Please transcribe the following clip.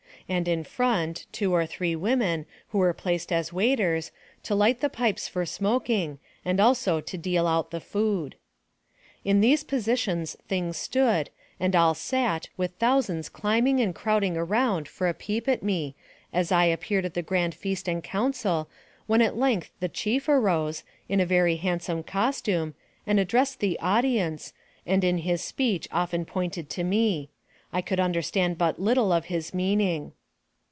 And in front, two or three women, who were there placed as waiters, to light the pipes for smoking, and also to deal out the food. In these positions things stood, and all sat with thousands climbing and crowding around for a peep at me, as I appeared at the grand feast and council, when at length the chief arose, in a very handsome costume, and addressed the audience, and in his speech often pointed to me. I could understand but little of his meaning.